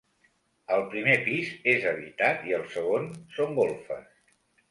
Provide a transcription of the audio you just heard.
El primer pis és habitat i el segon són golfes.